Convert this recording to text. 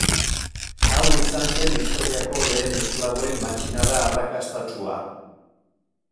Hau izan zen historiako lehen esklaboen matxinada arrakastatsua.